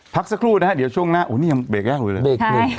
พักสักครู่นะเดี๋ยวช่วงหน้าอู้นี่ยังเบรกได้หรือ